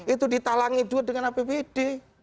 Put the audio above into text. itu ditalangi juga dengan apbd